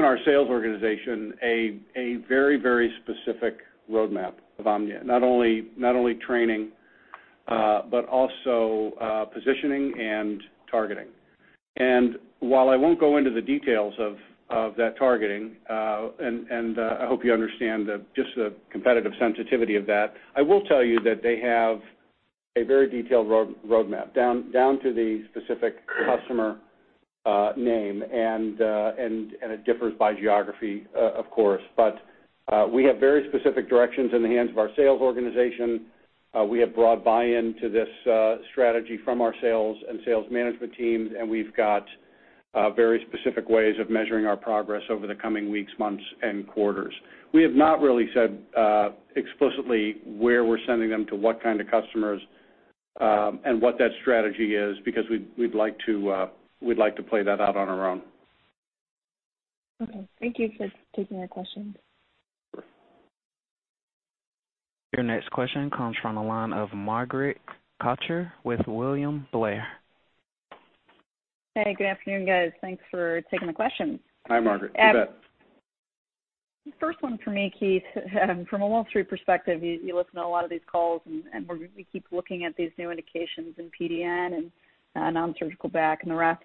our sales organization a very specific roadmap of Omnia. Not only training but also positioning and targeting. While I won't go into the details of that targeting, and I hope you understand just the competitive sensitivity of that, I will tell you that they have a very detailed roadmap down to the specific customer name, and it differs by geography, of course. We have very specific directions in the hands of our sales organization. We have broad buy-in to this strategy from our sales and sales management teams, and we've got very specific ways of measuring our progress over the coming weeks, months, and quarters. We have not really said explicitly where we're sending them to what kind of customers, and what that strategy is because we'd like to play that out on our own. Okay. Thank you for taking the questions. Your next question comes from the line of Margaret Kaczor with William Blair. Hey, good afternoon, guys. Thanks for taking the question. Hi, Margaret. You bet. First one for me, Keith. From a Wall Street perspective, you listen to a lot of these calls, and we keep looking at these new indications in PDN and nonsurgical back and the rest.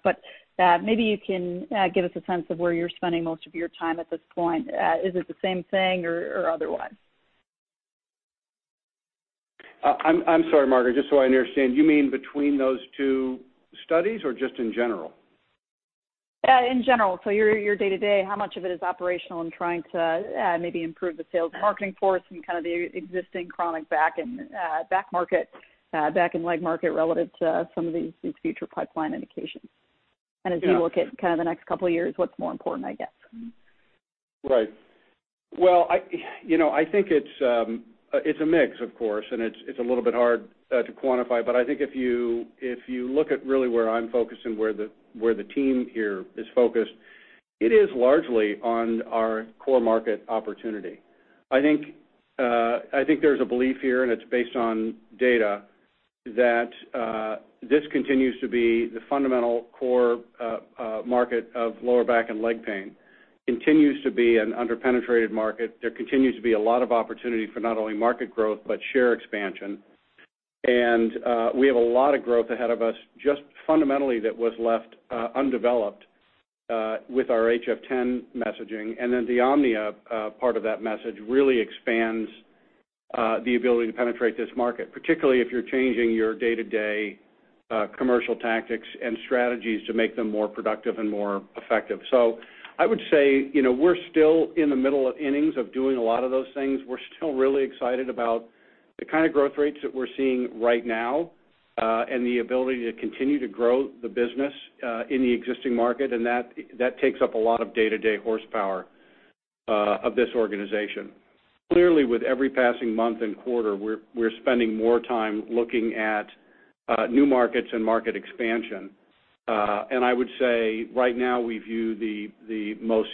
Maybe you can give us a sense of where you're spending most of your time at this point. Is it the same thing or otherwise? I'm sorry, Margaret, just so I understand. You mean between those two studies or just in general? In general. Your day-to-day, how much of it is operational and trying to maybe improve the sales marketing force and kind of the existing chronic back and leg market relative to some of these future pipeline indications? Yeah. As you look at kind of the next couple of years, what's more important, I guess? Right. Well, I think it's a mix, of course, and it's a little bit hard to quantify, but I think if you look at really where I'm focused and where the team here is focused, it is largely on our core market opportunity. I think there's a belief here, and it's based on data, that this continues to be the fundamental core market of lower back and leg pain. Continues to be an under-penetrated market. There continues to be a lot of opportunity for not only market growth but share expansion. We have a lot of growth ahead of us just fundamentally that was left undeveloped with our HF10 messaging. The Omnia part of that message really expands the ability to penetrate this market, particularly if you're changing your day-to-day commercial tactics and strategies to make them more productive and more effective. I would say we're still in the middle of innings of doing a lot of those things. We're still really excited about the kind of growth rates that we're seeing right now, and the ability to continue to grow the business in the existing market, and that takes up a lot of day-to-day horsepower of this organization. Clearly, with every passing month and quarter, we're spending more time looking at new markets and market expansion. I would say right now we view the most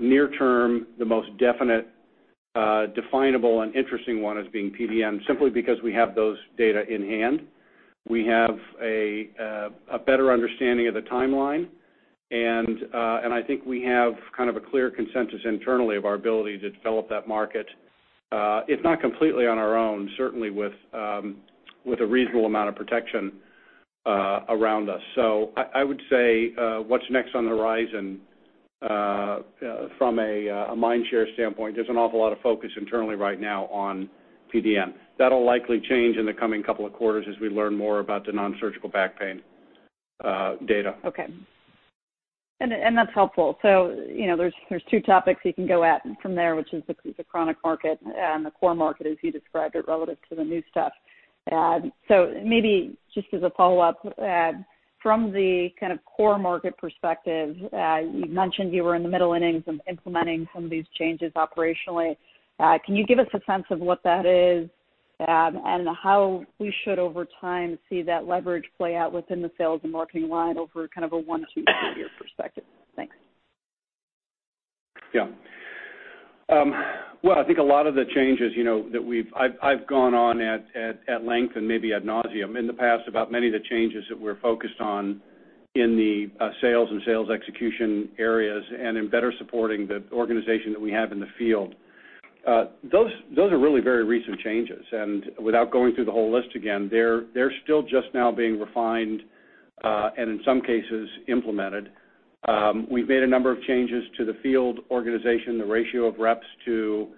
near term, the most definite, definable, and interesting one as being PDN, simply because we have those data in hand. We have a better understanding of the timeline, and I think we have kind of a clear consensus internally of our ability to develop that market if not completely on our own, certainly with a reasonable amount of protection around us. I would say, what's next on the horizon from a mind share standpoint, there's an awful lot of focus internally right now on PDN. That'll likely change in the coming couple of quarters as we learn more about the nonsurgical back pain data. Okay. That's helpful. There's two topics you can go at from there, which is the chronic market and the core market as you described it, relative to the new stuff. Maybe just as a follow-up, from the kind of core market perspective, you mentioned you were in the middle innings of implementing some of these changes operationally. Can you give us a sense of what that is, and how we should, over time, see that leverage play out within the sales and marketing line over kind of a one to two-year perspective? Thanks. Well, I think a lot of the changes that I've gone on at length and maybe ad nauseam in the past about many of the changes that we're focused on in the sales and sales execution areas and in better supporting the organization that we have in the field. Those are really very recent changes, and without going through the whole list again, they're still just now being refined, and in some cases implemented. We've made a number of changes to the field organization. The ratio of reps to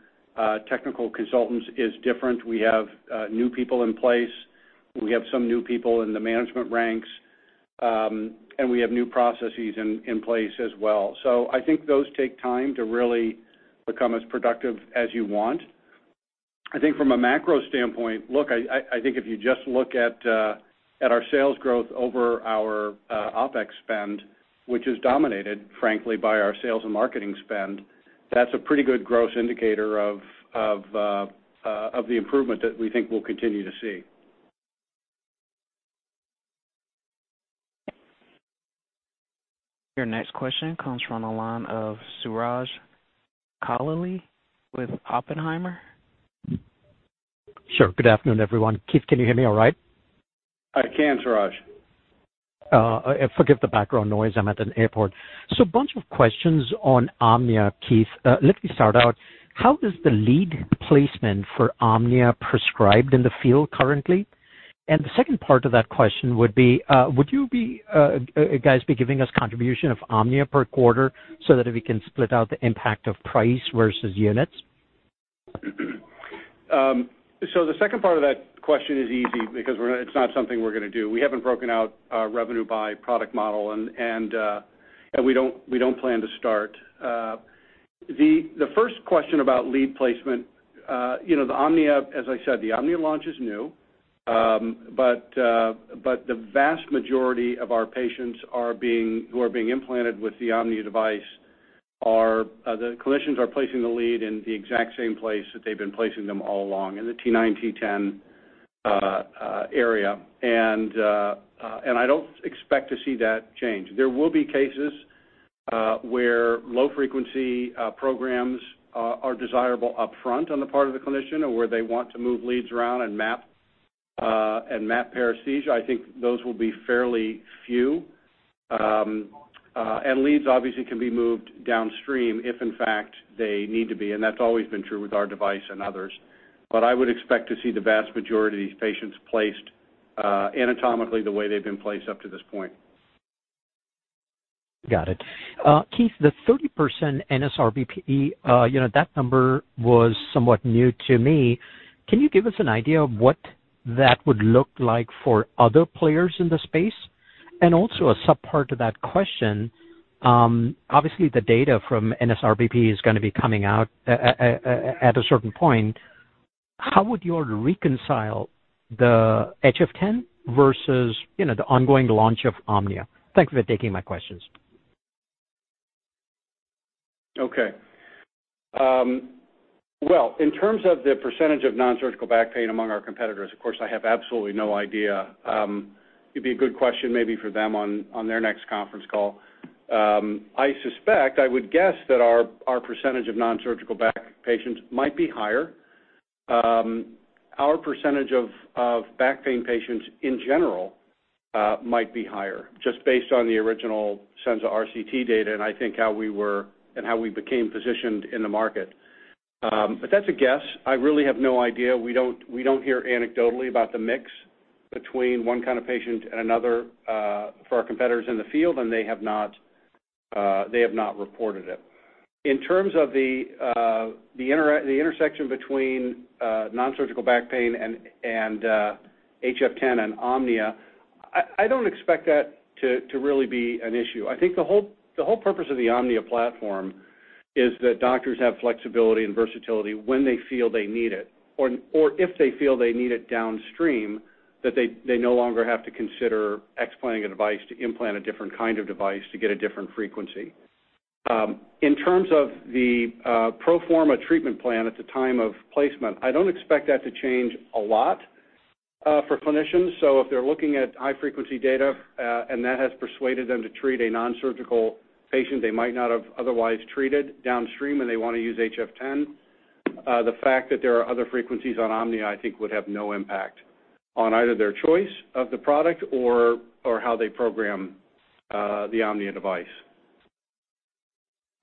technical consultants is different. We have new people in place, we have some new people in the management ranks, and we have new processes in place as well. I think those take time to really become as productive as you want. I think from a macro standpoint, look, I think if you just look at our sales growth over our OpEx spend, which is dominated, frankly, by our sales and marketing spend, that's a pretty good growth indicator of the improvement that we think we'll continue to see. Your next question comes from the line of Suraj Kalia with Oppenheimer. Sure. Good afternoon, everyone. Keith, can you hear me all right? I can, Suraj. Forgive the background noise. I'm at an airport. A bunch of questions on Omnia, Keith. Let me start out, how does the lead placement for Omnia prescribed in the field currently? The second part of that question would be, would you guys be giving us contribution of Omnia per quarter so that we can split out the impact of price versus units? The second part of that question is easy because it's not something we're going to do. We haven't broken out revenue by product model, and we don't plan to start. The first question about lead placement, as I said, the Omnia launch is new. The vast majority of our patients who are being implanted with the Omnia device are the clinicians placing the lead in the exact same place that they've been placing them all along in the T9-T10 area. I don't expect to see that change. There will be cases where low frequency programs are desirable upfront on the part of the clinician or where they want to move leads around and map paresthesia. I think those will be fairly few. Leads obviously can be moved downstream if in fact they need to be, and that's always been true with our device and others. I would expect to see the vast majority of these patients placed anatomically the way they've been placed up to this point. Got it. Keith, the 30% NSRBP, that number was somewhat new to me. Can you give us an idea of what that would look like for other players in the space? Also, a sub-part to that question, obviously, the data from NSRBP is going to be coming out at a certain point. How would you reconcile the HF10 versus the ongoing launch of Omnia? Thanks for taking my questions. Well, in terms of the percentage of nonsurgical back pain among our competitors, of course, I have absolutely no idea. It'd be a good question maybe for them on their next conference call. I suspect, I would guess that our percentage of nonsurgical back patients might be higher. Our percentage of back pain patients in general might be higher just based on the original SENZA-RCT data. I think how we became positioned in the market. That's a guess. I really have no idea. We don't hear anecdotally about the mix between one kind of patient and another for our competitors in the field, and they have not reported it. In terms of the intersection between nonsurgical back pain and HF10 and Omnia, I don't expect that to really be an issue. I think the whole purpose of the Omnia platform is that doctors have flexibility and versatility when they feel they need it or if they feel they need it downstream, that they no longer have to consider explanting a device to implant a different kind of device to get a different frequency. In terms of the pro forma treatment plan at the time of placement, I don't expect that to change a lot for clinicians. If they're looking at high-frequency data and that has persuaded them to treat a nonsurgical patient they might not have otherwise treated downstream and they want to use HF10, the fact that there are other frequencies on Omnia, I think would have no impact on either their choice of the product or how they program the Omnia device.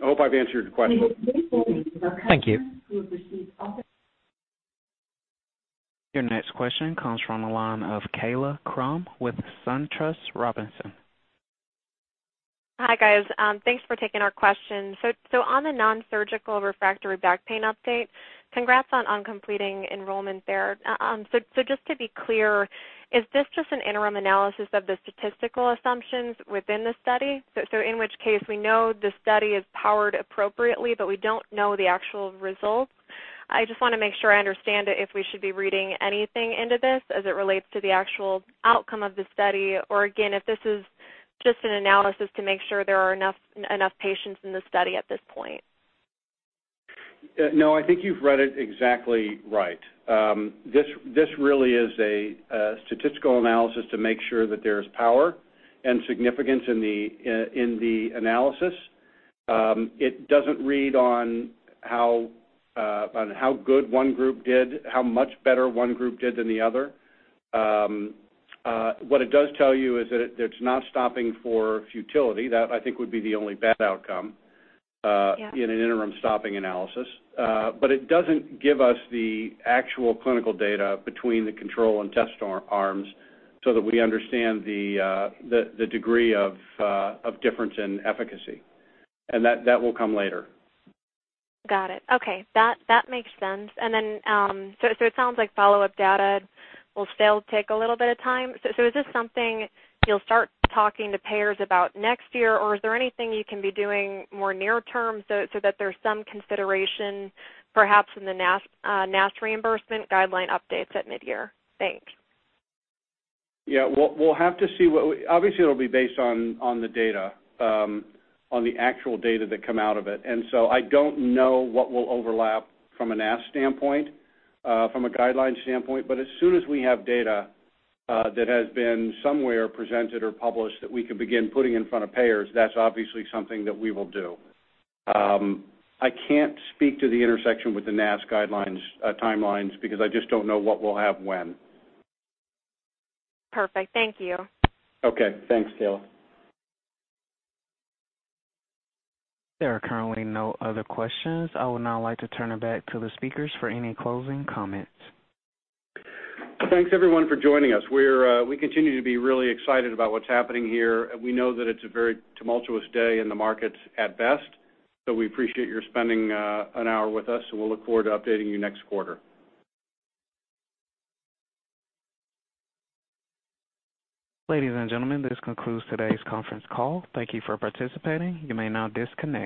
I hope I've answered your question. Thank you. Your next question comes from the line of Kaila Krum with SunTrust Robinson. Hi, guys. Thanks for taking our question. On the nonsurgical refractory back pain update, congrats on completing enrollment there. Just to be clear, is this just an interim analysis of the statistical assumptions within the study? In which case, we know the study is powered appropriately, but we don't know the actual results. I just want to make sure I understand it, if we should be reading anything into this as it relates to the actual outcome of the study, or again, if this is just an analysis to make sure there are enough patients in the study at this point. No, I think you've read it exactly right. This really is a statistical analysis to make sure that there's power and significance in the analysis. It doesn't read on how good one group did, how much better one group did than the other. What it does tell you is that it's not stopping for futility. That, I think, would be the only bad outcome. Yeah. In an interim stopping analysis. It doesn't give us the actual clinical data between the control and test arms so that we understand the degree of difference in efficacy, and that will come later. Got it. Okay. That makes sense. It sounds like follow-up data will still take a little bit of time. Is this something you'll start talking to payers about next year, or is there anything you can be doing more near term so that there's some consideration perhaps in the NASS reimbursement guideline updates at midyear? Thanks. Yeah. We'll have to see. Obviously, it'll be based on the data, on the actual data that come out of it. I don't know what will overlap from a NASS standpoint, from a guideline standpoint. As soon as we have data that has been somewhere presented or published that we can begin putting in front of payers, that's obviously something that we will do. I can't speak to the intersection with the NASS guidelines timelines because I just don't know what we'll have when. Perfect. Thank you. Okay. Thanks, Kaila. There are currently no other questions. I would now like to turn it back to the speakers for any closing comments. Thanks, everyone, for joining us. We continue to be really excited about what's happening here. We know that it's a very tumultuous day in the markets at best, so we appreciate your spending an hour with us, and we'll look forward to updating you next quarter. Ladies and gentlemen, this concludes today's conference call. Thank you for participating. You may now disconnect.